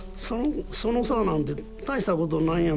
その差なんて大したことないやん。